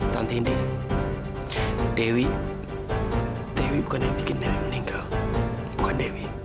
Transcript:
tante ini dewi dewi bukan yang bikin nenek meninggal bukan dewi